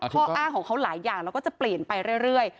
ข้ออ้างของเขาหลายอย่างเราก็จะเปลี่ยนไปเรื่อย